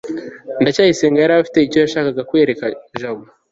ndacyayisenga yari afite icyo yashakaga kwereka jabo